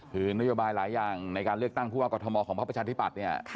ถือนโยบายหลายอย่างในการเลือกตั้งผู้ว่ากฎธมของพระประชาติภัทร